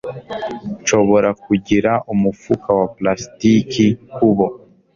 Nshobora kugira umufuka wa plastiki kubo